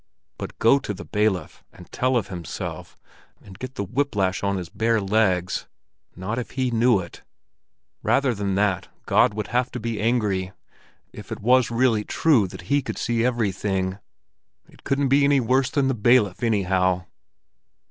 But go to the bailiff, and tell of himself, and get the whip lash on his bare legs? Not if he knew it! Rather than that, God would have to be angry—if it was really true that He could see everything? It couldn't be worse than the bailiff, anyhow.